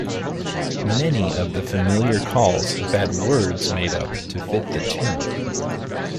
Many of the familiar calls have had words made up to fit the tune.